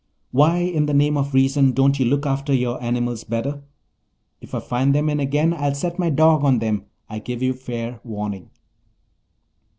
Why in the name of reason don't you look after your animals better? If I find them in again I'll set my dog on them, I give you fair warning."